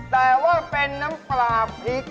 แต่ว่าเป็นน้ำปลาพริก